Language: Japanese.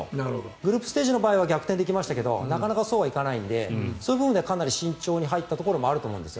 グループステージの場合は逆転できましたけどなかなかそうはいかないのでそういう部分ではかなり慎重に入った部分もあると思います。